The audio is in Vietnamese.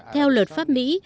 theo luật pháp mỹ